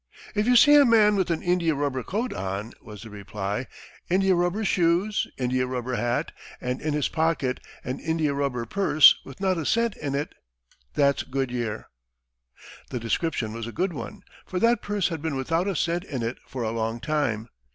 "If you see a man with an India rubber coat on," was the reply, "India rubber shoes, India rubber hat, and in his pocket an India rubber purse with not a cent in it, that's Goodyear." The description was a good one, for that purse had been without a cent in it for a long time.